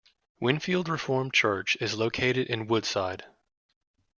Winfield Reformed Church is located in Woodside.